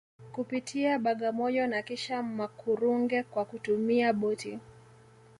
kupitia Bagamoyo na kisha Makurunge kwa kutumia boti